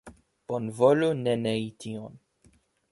Bonvolu ne nei tion.